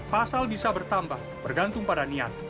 pasal bisa bertambah bergantung pada niat